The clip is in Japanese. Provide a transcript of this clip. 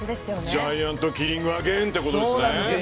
ジャイアントキリングアゲインということですね。